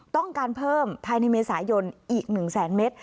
ต้องการเพิ่มภายในเมษายนอีก๑แสนเมตร